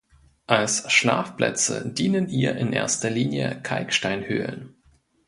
Als Schlafplätze dienen ihr in erster Linie Kalksteinhöhlen.